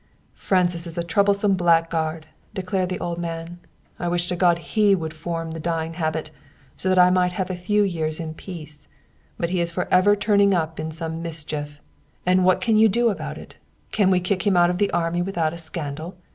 "Francis is a troublesome blackguard," declared the old man. "I wish to God he would form the dying habit, so that I might have a few years in peace; but he is forever turning up in some mischief. And what can you do about it? Can we kick him out of the army without a scandal?